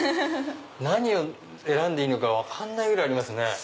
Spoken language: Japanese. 何を選んでいいのか分かんないぐらいありますね。